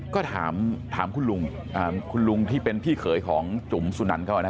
ก็ถามคุณลุงคุณลุงที่เป็นพี่เขยของจุ๋มสุนันเขานะ